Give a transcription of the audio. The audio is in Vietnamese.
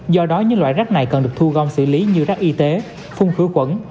do đó những loại rác này cần được thu gom xử lý như rác y tế phun khử quẩn